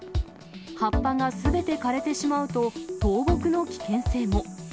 葉っぱがすべて枯れてしまうと、倒木の危険性も。